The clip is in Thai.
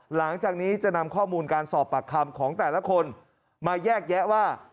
หลังจากนี้จะนำข้อมูลการสอบปากคำของแต่ละคนมาแยกแยะว่า